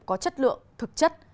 có chất lượng thực chất